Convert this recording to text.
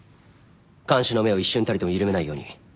監視の目を一瞬たりとも緩めないように。